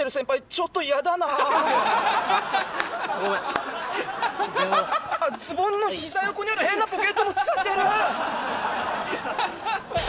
ちょっと電話ズボンの膝横にある変なポケットも使ってる！